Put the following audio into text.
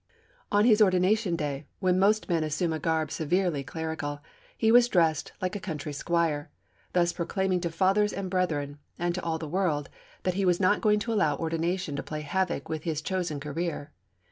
On his ordination day, when most men assume a garb severely clerical, he was dressed like a country squire, thus proclaiming to fathers and brethren, and to all the world, that he was not going to allow ordination to play havoc with his chosen career.